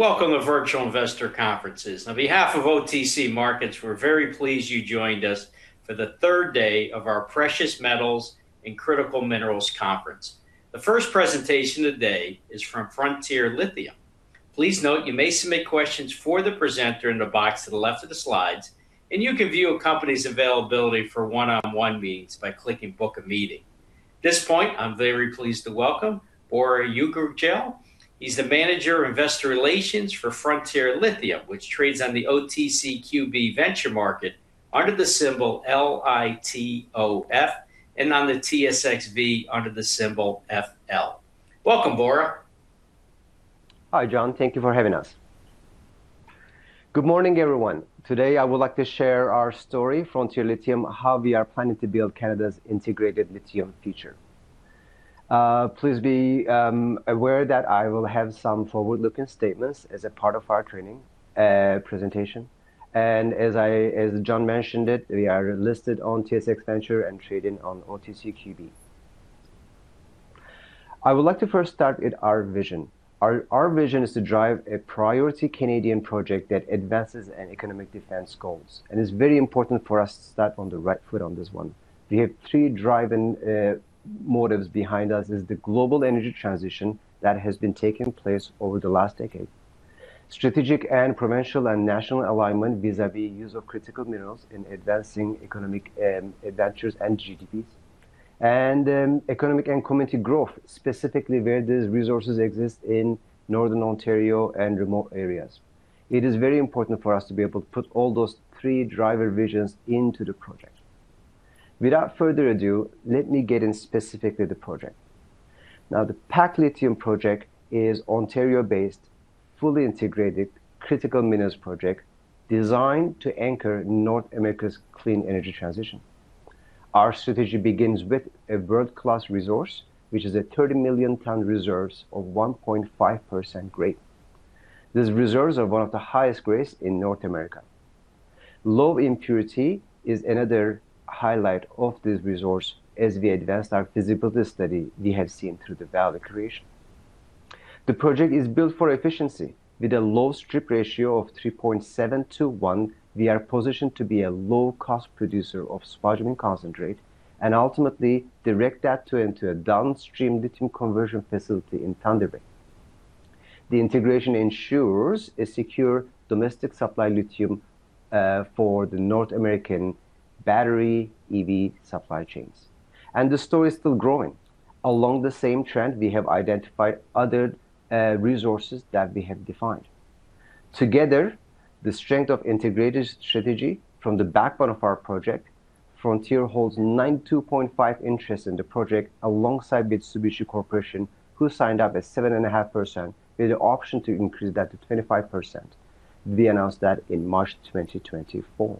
Welcome to Virtual Investor Conferences. On behalf of OTC Markets, we're very pleased you joined us for the third day of our Precious Metals and Critical Minerals Conference. The first presentation today is from Frontier Lithium. Please note, you may submit questions for the presenter in the box to the left of the slides, and you can view a company's availability for one-on-one meetings by clicking Book a Meeting. At this point, I'm very pleased to welcome Bora Ugurgel. He's the Manager of Investor Relations for Frontier Lithium, which trades on the OTCQB Venture Market under the symbol LITOF, and on the TSX-V under the symbol FL. Welcome, Bora. Hi, John. Thank you for having us. Good morning, everyone. Today, I would like to share our story, Frontier Lithium, how we are planning to build Canada's integrated lithium future. Please be aware that I will have some forward-looking statements as a part of our training presentation. And as John mentioned it, we are listed on TSX Venture and trading on OTCQB. I would like to first start with our vision. Our vision is to drive a priority Canadian project that advances our economic defense goals, and it's very important for us to start on the right foot on this one. We have three driving motives behind us, is the global energy transition that has been taking place over the last decade. Strategic and provincial and national alignment vis-à-vis use of critical minerals in advancing economic ventures and GDPs. And economic and community growth, specifically where these resources exist in northern Ontario and remote areas. It is very important for us to be able to put all those three driver visions into the project. Without further ado, let me get in specifically the project. Now, the PAK Lithium Project is Ontario-based, fully integrated critical minerals project designed to anchor North America's clean energy transition. Our strategy begins with a world-class resource, which is a 30 million ton reserves of 1.5% grade. These reserves are one of the highest grades in North America. Low impurity is another highlight of this resource. As we advanced our feasibility study, we have seen through the value creation. The project is built for efficiency. With a low strip ratio of 3.7:1, we are positioned to be a low-cost producer of spodumene concentrate and ultimately direct that to enter a downstream lithium conversion facility in Thunder Bay. The integration ensures a secure domestic supply of lithium, for the North American battery EV supply chains, and the story is still growing. Along the same trend, we have identified other, resources that we have defined. Together, the strength of integrated strategy from the backbone of our project, Frontier holds 92.5 interest in the project, alongside with Mitsubishi Corporation, who signed up at 7.5%, with the option to increase that to 25%. We announced that in March 2024.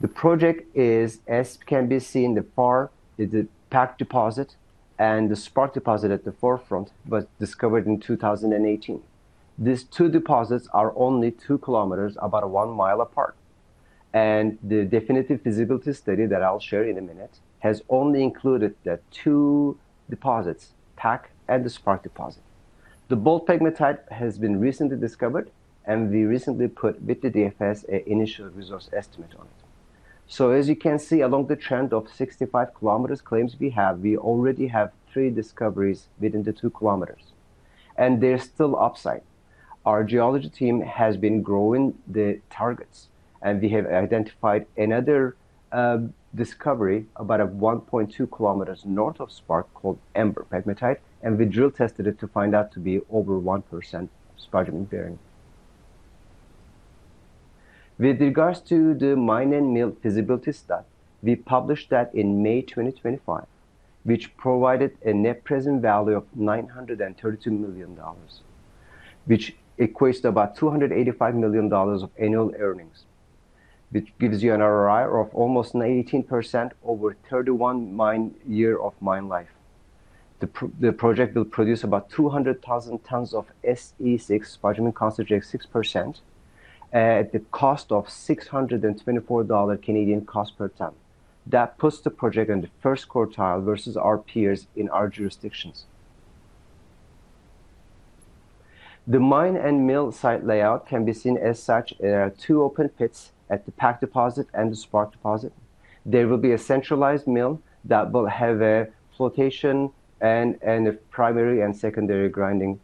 The project is, as can be seen, the PAK is the PAK deposit, and the Spark deposit at the forefront was discovered in 2018. These two deposits are only 2 km, about 1 mi apart, and the definitive feasibility study that I'll share in a minute, has only included the two deposits, PAK and the Spark deposit. The Bolt pegmatite has been recently discovered, and we recently put with the DFS an initial resource estimate on it. So as you can see, along the trend of 65 km claims we have, we already have three discoveries within the 2 km, and there's still upside. Our geology team has been growing the targets, and we have identified another, discovery about 1.2 km north of Spark called Amber pegmatite, and we drill tested it to find out to be over 1% spodumene-bearing. With regards to the mine and mill feasibility study, we published that in May 2025, which provided a net present value of $932 million, which equates to about $285 million of annual earnings, which gives you an IRR of almost 18% over 31 mine year of mine life. The project will produce about 200,000 tons of SC6, spodumene concentrate 6%, at the cost of 624 Canadian dollars per ton. That puts the project in the first quartile versus our peers in our jurisdictions. The mine and mill site layout can be seen as such. There are two open pits at the PAK deposit and the Spark deposit. There will be a centralized mill that will have a flotation and a primary and secondary grinding.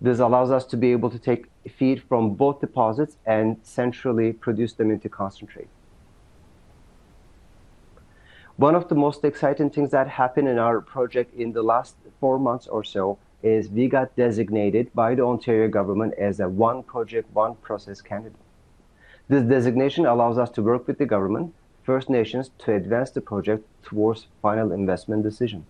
This allows us to be able to take feed from both deposits and centrally produce them into concentrate. One of the most exciting things that happened in our project in the last four months or so is we got designated by the Ontario government as a One Project, One Process candidate. This designation allows us to work with the government, First Nations, to advance the project towards Final Investment Decision.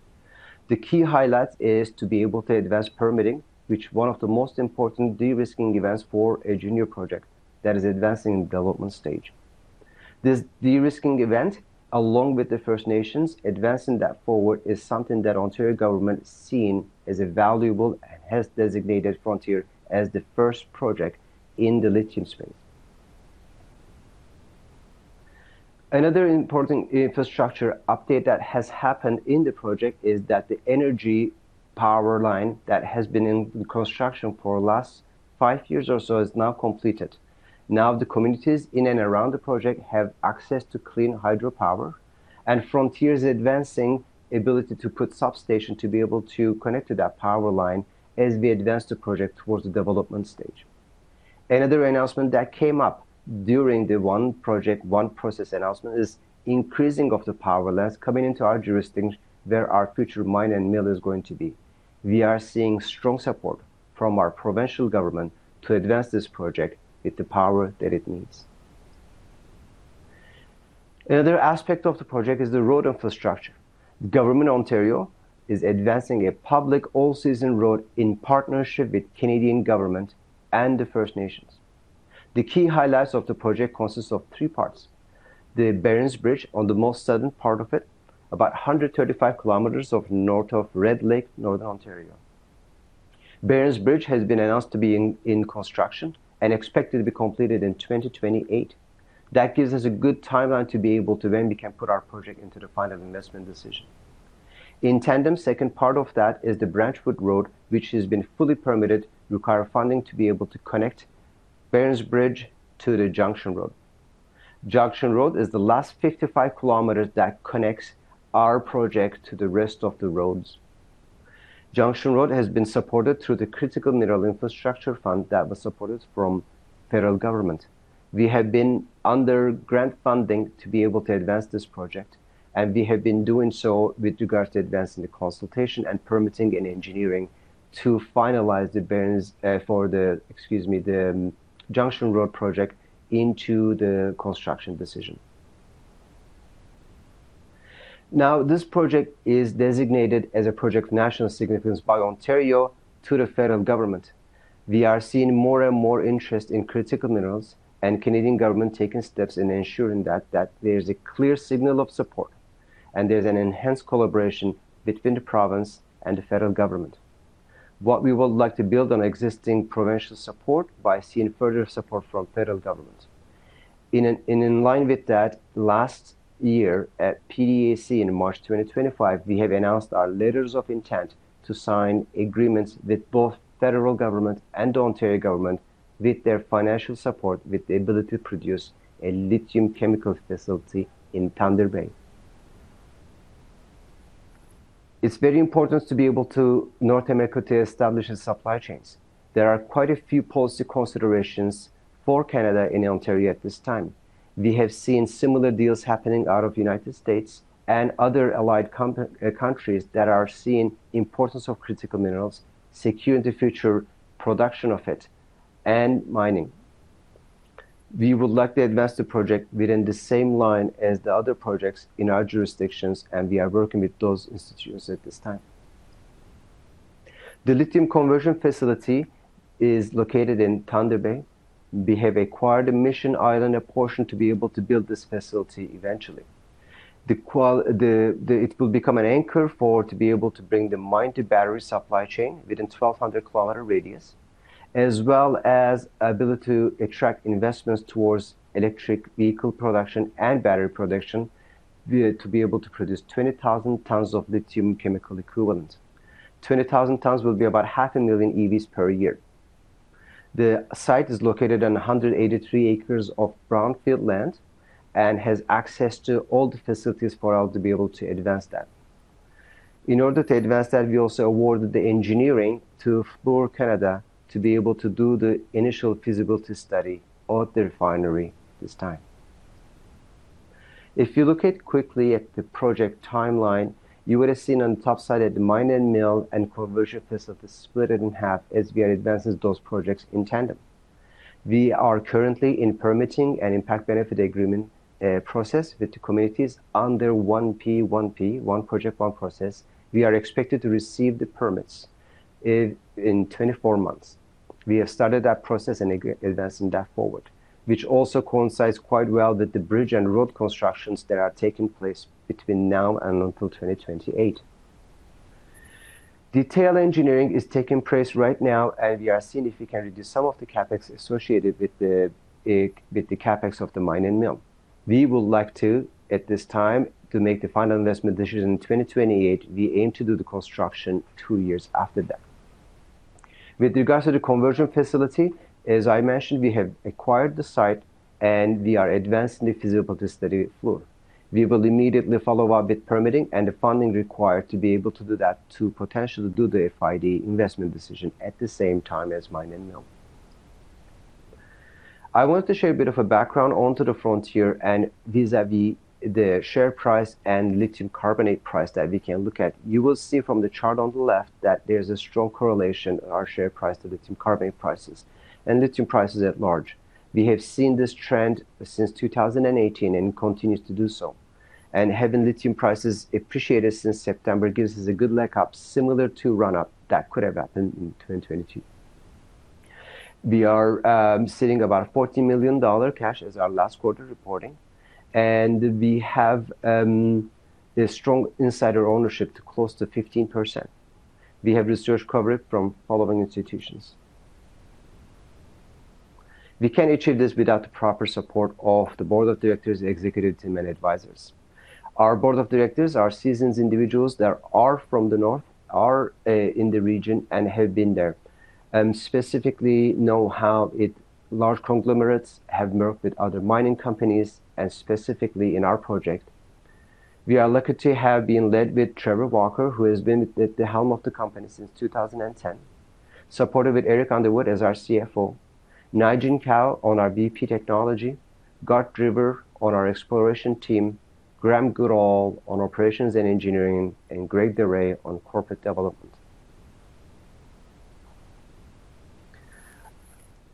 The key highlight is to be able to advance permitting, which one of the most important de-risking events for a junior project that is advancing the development stage. This de-risking event, along with the First Nations, advancing that forward, is something that Ontario government seen as a valuable and has designated Frontier as the first project in the lithium space. Another important infrastructure update that has happened in the project is that the energy power line that has been in construction for the last five years or so is now completed. Now, the communities in and around the project have access to clean hydropower, and Frontier's advancing ability to put substation to be able to connect to that power line as we advance the project towards the development stage. Another announcement that came up during the One Project, One Process announcement is increasing of the power lines coming into our jurisdiction, where our future mine and mill is going to be. We are seeing strong support from our provincial government to advance this project with the power that it needs. Another aspect of the project is the road infrastructure. Government of Ontario is advancing a public all-season road in partnership with Canadian government and the First Nations. The key highlights of the project consists of three parts: The Berens Bridge on the most southern part of it, about 135 km north of Red Lake, Northern Ontario. Berens Bridge has been announced to be in construction and expected to be completed in 2028. That gives us a good timeline to be able to then we can put our project into the Final Investment Decision. In tandem, second part of that is the Branchwood Road, which has been fully permitted, require funding to be able to connect Berens Bridge to the Junction Road. Junction Road is the last 55 km that connects our project to the rest of the roads. Junction Road has been supported through the Critical Minerals Infrastructure Fund that was supported from federal government. We have been under grant funding to be able to advance this project, and we have been doing so with regards to advancing the consultation and permitting and engineering to finalize the Berens Bridge for the Junction Road project into the construction decision. Now, this project is designated as a project of national significance by Ontario to the federal government. We are seeing more and more interest in critical minerals and Canadian government taking steps in ensuring that there is a clear signal of support, and there's an enhanced collaboration between the province and the federal government. What we would like to build on existing provincial support by seeing further support from federal government. In line with that, last year at PDAC in March 2025, we have announced our letters of intent to sign agreements with both federal government and the Ontario government, with their financial support, with the ability to produce a lithium chemical facility in Thunder Bay. It's very important to be able to North America to establish its supply chains. There are quite a few policy considerations for Canada and Ontario at this time. We have seen similar deals happening out of United States and other allied countries that are seeing importance of critical minerals, securing the future production of it, and mining. We would like to advance the project within the same line as the other projects in our jurisdictions, and we are working with those institutes at this time. The lithium conversion facility is located in Thunder Bay. We have acquired Mission Island, a portion, to be able to build this facility eventually. It will become an anchor for to be able to bring the mine-to-battery supply chain within 1,200-km radius, as well as ability to attract investments towards electric vehicle production and battery production, to be able to produce 20,000 tons of lithium chemical equivalent. 20,000 tons will be about 500,000 EVs per year. The site is located on 183 acres of brownfield land and has access to all the facilities for us to be able to advance that. In order to advance that, we also awarded the engineering to Fluor Canada to be able to do the initial feasibility study of the refinery this time. If you look at quickly at the project timeline, you would have seen on the top side, the mine and mill and conversion facility split it in half as we are advancing those projects in tandem. We are currently in permitting and Impact Benefit Agreement process with the communities under One Project, One Process. We are expected to receive the permits in 24 months. We have started that process and advancing that forward, which also coincides quite well with the bridge and road constructions that are taking place between now and until 2028. Detailed engineering is taking place right now, and we are seeing if we can reduce some of the CapEx associated with the with the CapEx of the mine and mill. We would like to, at this time, to make the Final Investment Decision in 2028. We aim to do the construction two years after that. With regards to the conversion facility, as I mentioned, we have acquired the site, and we are advancing the feasibility study with Fluor. We will immediately follow up with permitting and the funding required to be able to do that, to potentially do the FID investment decision at the same time as mine and mill. I wanted to share a bit of a background onto the Frontier and vis-à-vis the share price and lithium carbonate price that we can look at. You will see from the chart on the left that there's a strong correlation in our share price to lithium carbonate prices and lithium prices at large. We have seen this trend since 2018, and it continues to do so. Having lithium prices appreciated since September gives us a good leg up, similar to run-up that could have happened in 2022. We are sitting about 40 million dollar cash as our last quarter reporting, and we have a strong insider ownership to close to 15%. We have research coverage from following institutions.... We can't achieve this without the proper support of the board of directors, the executive team, and advisors. Our board of directors are seasoned individuals that are from the north, are in the region, and have been there, and specifically know large conglomerates have merged with other mining companies, and specifically in our project. We are lucky to have been led with Trevor Walker, who has been at the helm of the company since 2010, supported with Erick Underwood as our CFO, Naizhen Cao on our VP Technology, Garth Drever on our exploration team, Graeme Goodall on operations and engineering, and Greg Da Re on corporate development.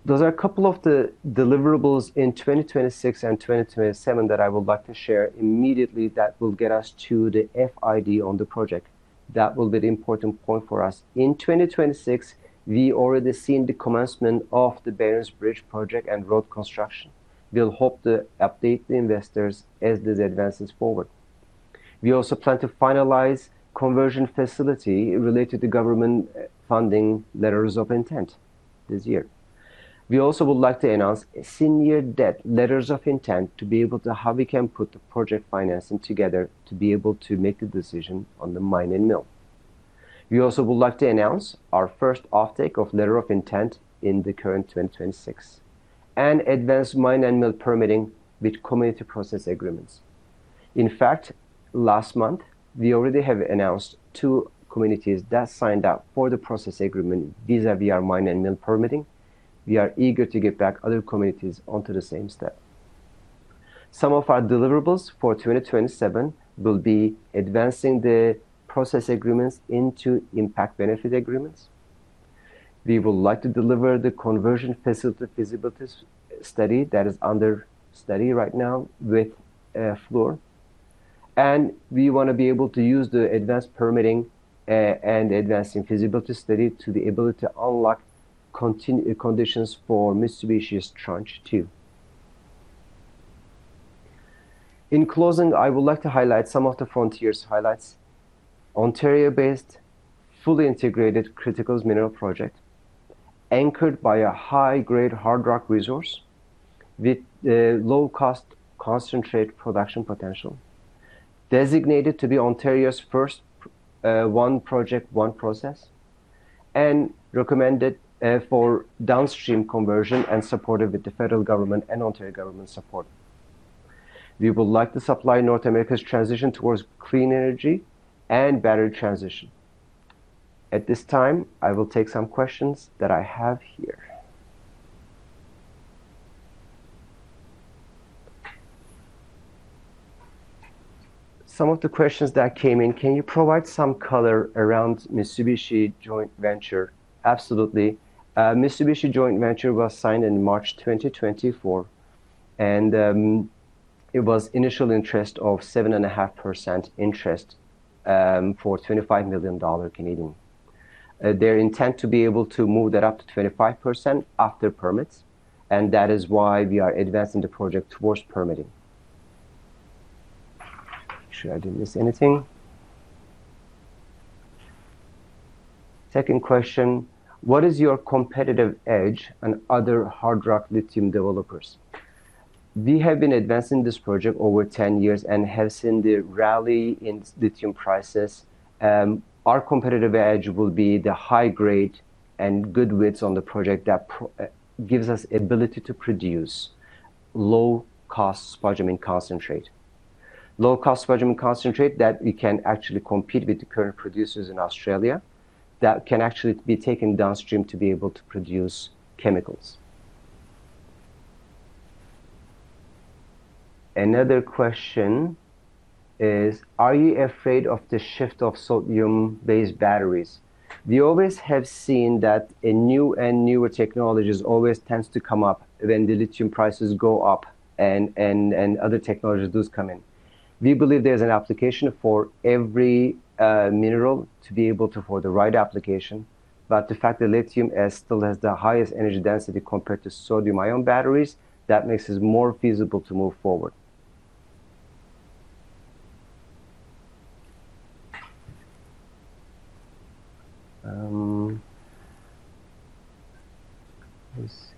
Those are a couple of the deliverables in 2026 and 2027 that I would like to share immediately that will get us to the FID on the project. That will be the important point for us. In 2026, we already seen the commencement of the Berens Bridge project and road construction. We'll hope to update the investors as this advances forward. We also plan to finalize conversion facility related to government, funding letters of intent this year. We also would like to announce senior debt letters of intent to be able to how we can put the project financing together, to be able to make the decision on the mine and mill. We also would like to announce our first offtake of letter of intent in the current 2026, and advance mine and mill permitting with community Process Agreements. In fact, last month, we already have announced two communities that signed up for the Process Agreement vis-à-vis our mine and mill permitting. We are eager to get back other communities onto the same step. Some of our deliverables for 2027 will be advancing the Process Agreements into Impact Benefit Agreements. We would like to deliver the conversion facility feasibility study that is under study right now with Fluor, and we want to be able to use the advanced permitting and advancing feasibility study to the ability to unlock conditions for Mitsubishi's Tranche 2. In closing, I would like to highlight some of the Frontier's highlights. Ontario-based, fully integrated critical mineral project, anchored by a high-grade hard rock resource with a low-cost concentrate production potential, designated to be Ontario's first One Project, One Process, and recommended for downstream conversion, and supported with the federal government and Ontario government support. We would like to supply North America's transition towards clean energy and battery transition. At this time, I will take some questions that I have here. Some of the questions that came in: Can you provide some color around Mitsubishi joint venture? Absolutely. Mitsubishi joint venture was signed in March 2024, and it was initial interest of 7.5% interest for C$25 million. Their intent to be able to move that up to 25% after permits, and that is why we are advancing the project towards permitting. Make sure I didn't miss anything. Second question: What is your competitive edge on other hard rock lithium developers? We have been advancing this project over 10 years and have seen the rally in lithium prices. Our competitive edge will be the high grade and good widths on the project that gives us ability to produce low-cost spodumene concentrate. Low-cost spodumene concentrate that we can actually compete with the current producers in Australia, that can actually be taken downstream to be able to produce chemicals. Another question is: Are you afraid of the shift of sodium-based batteries? We always have seen that a new and newer technologies always tends to come up when the lithium prices go up, and other technologies does come in. We believe there's an application for every mineral to be able to for the right application, but the fact that lithium still has the highest energy density compared to sodium ion batteries, that makes it more feasible to move forward. Let's see.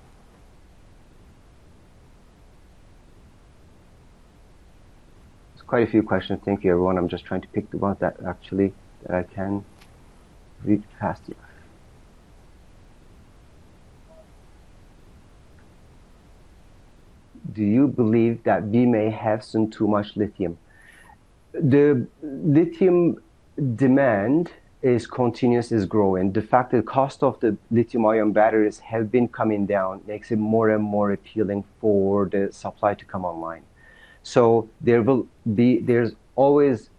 It's quite a few questions. Thank you, everyone. I'm just trying to pick the ones that actually, that I can read faster. Do you believe that we may have soon too much lithium? The lithium demand is continuous, is growing. The fact the cost of the lithium ion batteries have been coming down makes it more and more appealing for the supply to come online. So there will be. There's always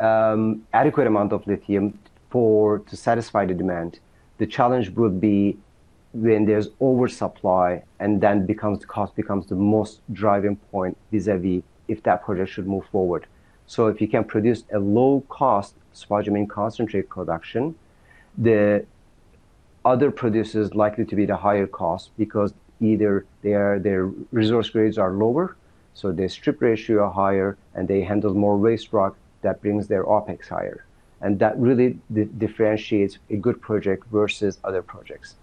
adequate amount of lithium for, to satisfy the demand. The challenge would be when there's oversupply, and then becomes the cost becomes the most driving point vis-a-vis if that project should move forward. So if you can produce a low-cost spodumene concentrate production, the other producer is likely to be the higher cost because either their resource grades are lower. So their strip ratio are higher, and they handle more waste rock that brings their OpEx higher. And that really differentiates a good project versus other projects.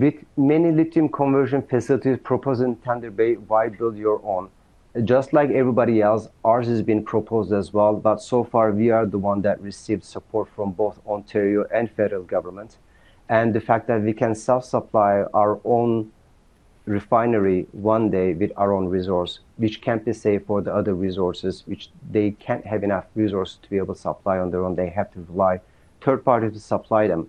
With many lithium conversion facilities proposed in Thunder Bay, why build your own? Just like everybody else, ours has been proposed as well, but so far we are the one that received support from both Ontario and federal government. And the fact that we can self-supply our own refinery one day with our own resource, which can't be said for the other resources, which they can't have enough resource to be able to supply on their own. They have to rely third party to supply them.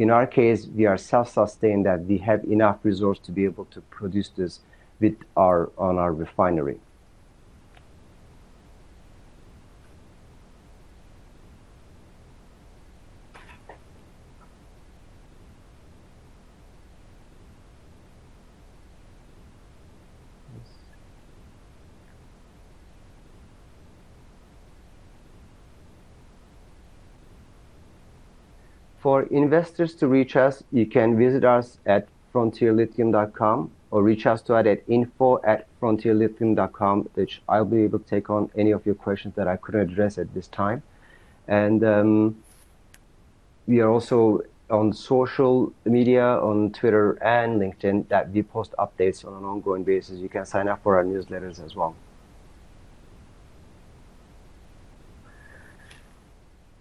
In our case, we are self-sustained, that we have enough resource to be able to produce this with our, on our refinery. For investors to reach us, you can visit us at frontierlithium.com or reach us out at info@frontierlithium.com, which I'll be able to take on any of your questions that I couldn't address at this time. And, we are also on social media, on Twitter and LinkedIn, that we post updates on an ongoing basis. You can sign up for our newsletters as well.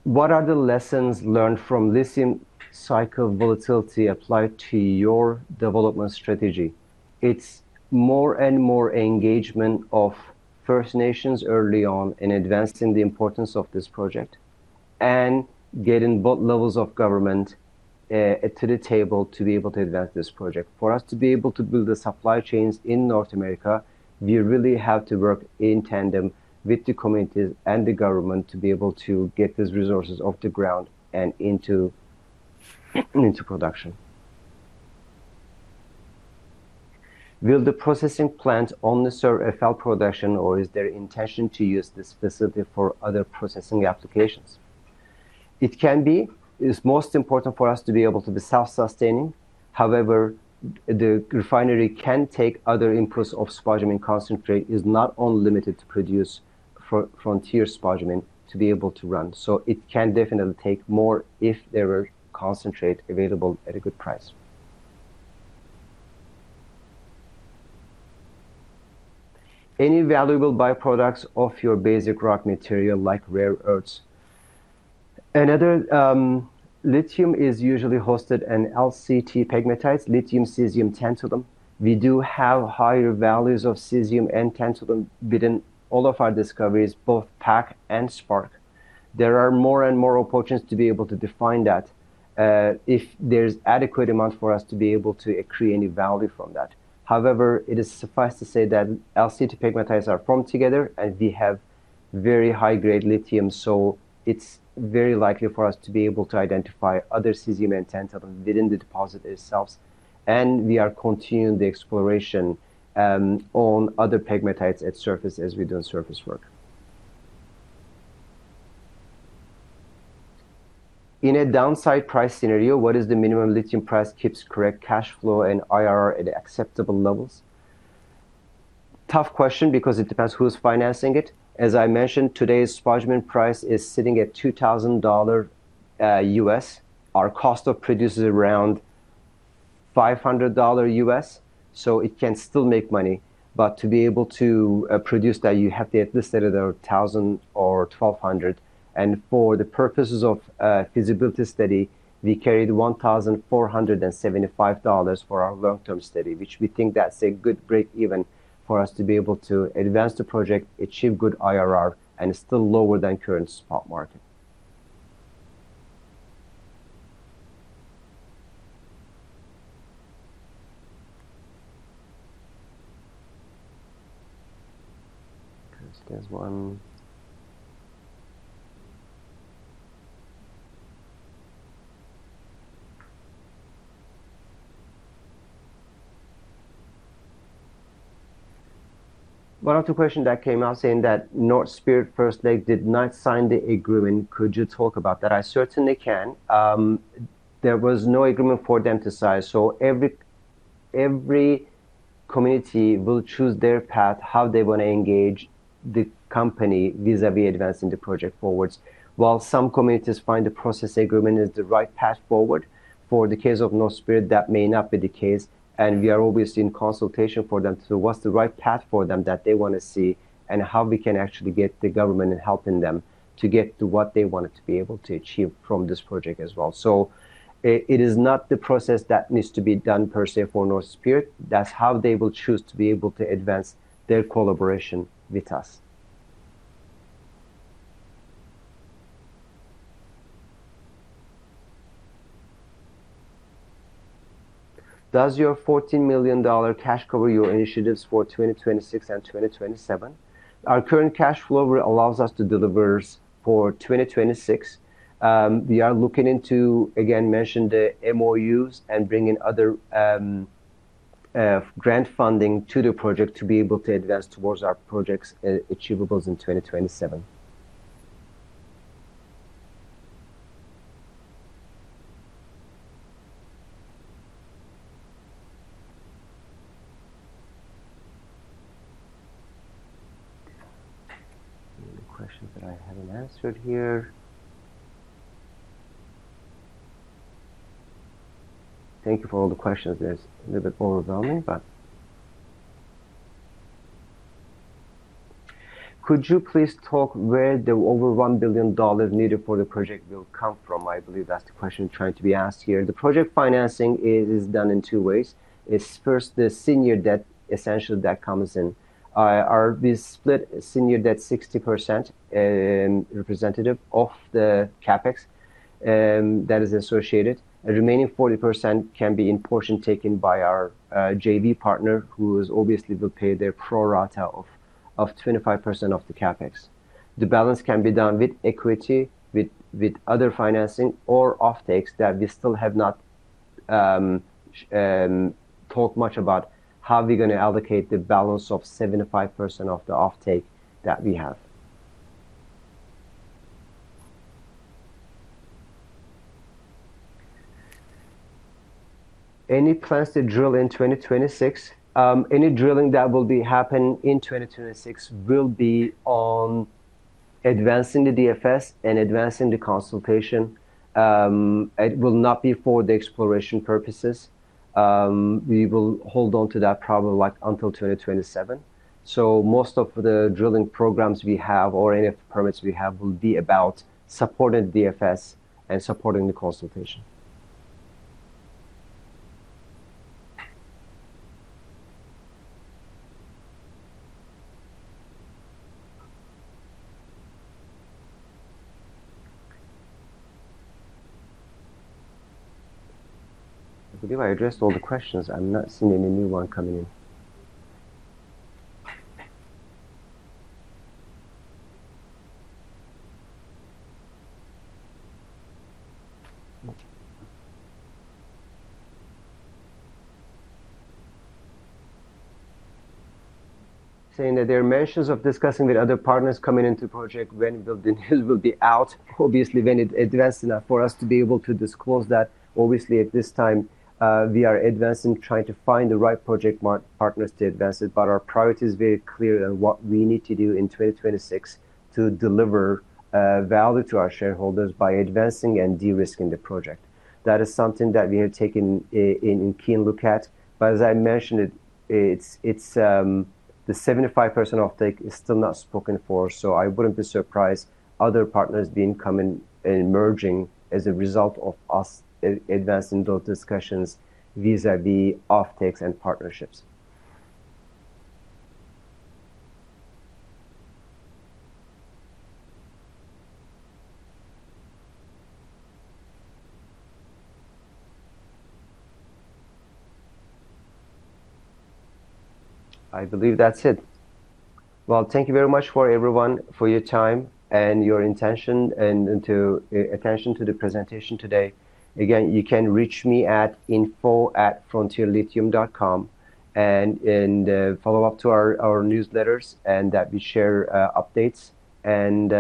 What are the lessons learned from lithium cycle volatility applied to your development strategy? It's more and more engagement of First Nations early on in advancing the importance of this project, and getting both levels of government to the table to be able to advance this project. For us to be able to build the supply chains in North America, we really have to work in tandem with the communities and the government to be able to get these resources off the ground and into production. Will the processing plant only serve FL production, or is there intention to use this facility for other processing applications? It can be. It is most important for us to be able to be self-sustaining. However, the refinery can take other inputs of spodumene concentrate. It's not only limited to produce Frontier spodumene to be able to run. So it can definitely take more if there were concentrate available at a good price. Any valuable byproducts of your basic rock material, like rare earths? Another, Lithium is usually hosted in LCT pegmatites, lithium, cesium, tantalum. We do have higher values of cesium and tantalum within all of our discoveries, both PAK and Spark. There are more and more opportunities to be able to define that, if there's adequate amount for us to be able to accrue any value from that. However, it is suffice to say that LCT pegmatites are formed together, and we have very high-grade lithium, so it's very likely for us to be able to identify other cesium and tantalum within the deposit itself. And we are continuing the exploration, on other pegmatites at surface as we do surface work. In a downside price scenario, what is the minimum lithium price keeps correct cash flow and IRR at acceptable levels? Tough question because it depends who's financing it. As I mentioned, today's spodumene price is sitting at $2,000. Our cost of produce is around $500, so it can still make money. But to be able to, produce that, you have to at least at around $1,000 or $1,200. And for the purposes of a feasibility study, we carried $1,475 for our long-term study, which we think that's a good break even for us to be able to advance the project, achieve good IRR, and it's still lower than current spot market. There's one... One other question that came out saying that North Spirit Lake First Nation did not sign the agreement. Could you talk about that? I certainly can. There was no agreement for them to sign, so every community will choose their path, how they want to engage the company vis-à-vis advancing the project forward. While some communities find the Process Agreement is the right path forward, for the case of North Spirit Lake, that may not be the case, and we are obviously in consultation for them to what's the right path for them that they want to see, and how we can actually get the government in helping them to get to what they wanted to be able to achieve from this project as well. So it is not the process that needs to be done per se for North Spirit Lake. That's how they will choose to be able to advance their collaboration with us. Does your 14 million dollar cash cover your initiatives for 2026 and 2027? Our current cash flow allows us to deliver for 2026. We are looking into, again, mention the MOUs and bringing other, grant funding to the project to be able to advance towards our projects, achievables in 2027. Any questions that I haven't answered here? Thank you for all the questions. It's a little bit overwhelming, but. Could you please talk where the over 1 billion dollars needed for the project will come from? I believe that's the question trying to be asked here. The project financing is done in two ways. It's first the senior debt, essentially, that comes in. Our, we split senior debt 60%, representative of the CapEx, that is associated. The remaining 40% can be in portion taken by our JV partner, who is obviously will pay their pro rata of 25% of the CapEx. The balance can be done with equity, with other financing or offtakes that we still have not talked much about how we're gonna allocate the balance of 75% of the offtake that we have. Any plans to drill in 2026? Any drilling that will be happening in 2026 will be on advancing the DFS and advancing the consultation. It will not be for the exploration purposes. We will hold on to that probably, like, until 2027. So most of the drilling programs we have or any of the permits we have will be about supporting DFS and supporting the consultation. I believe I addressed all the questions. I'm not seeing any new one coming in. Saying that there are mentions of discussing with other partners coming into project, when will the news be out? Obviously, when it's advanced enough for us to be able to disclose that. Obviously, at this time, we are advancing, trying to find the right project partners to advance it, but our priority is very clear on what we need to do in 2026 to deliver value to our shareholders by advancing and de-risking the project. That is something that we have taken a keen look at. But as I mentioned, it's the 75% offtake is still not spoken for, so I wouldn't be surprised other partners coming and emerging as a result of us advancing those discussions vis-à-vis offtakes and partnerships. I believe that's it. Well, thank you very much for everyone, for your time and your attention, and to attention to the presentation today. Again, you can reach me at info@frontierlithium.com, and, and, follow up to our, our newsletters and that we share, updates, and,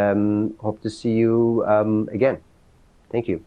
hope to see you, again. Thank you.